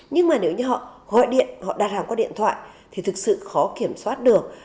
nhưng nếu họ gọi điện họ đặt hàng qua điện thoại thì thực sự khó kiểm soát được